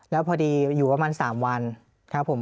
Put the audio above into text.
แล้วพอดีอยู่ประมาณ๓วันครับผม